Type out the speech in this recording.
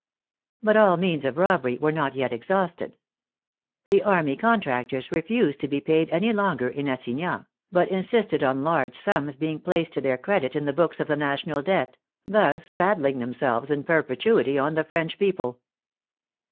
But all means of robbery were not yet exhausted. The army contractors refused to be paid any longer in assign nats, but insisted on large sums being placed to their credit in the books of the national debt, thus saddling themselves in perpetuity on the French people.